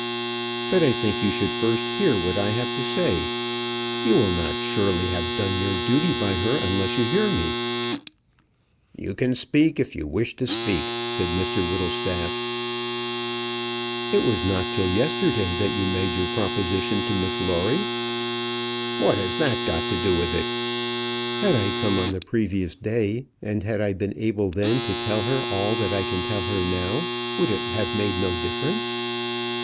"But I think you should first hear what I have to say. You will not surely have done your duty by her unless you hear me." "You can speak if you wish to speak," said Mr Whittlestaff. "It was not till yesterday that you made your proposition to Miss Lawrie." "What has that to do with it?" "Had I come on the previous day, and had I been able then to tell her all that I can tell her now, would it have made no difference?"